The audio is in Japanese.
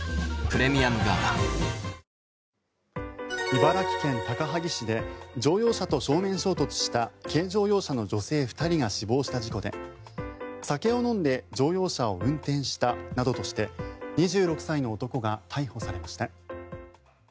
茨城県高萩市で乗用車と正面衝突した軽乗用車の女性２人が死亡した事故で酒を飲んで乗用車を運転したなどとして２６歳の男が逮捕されました。